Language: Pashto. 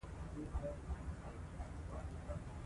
د ماشومانو قد او وزن په منظمه توګه وګورئ.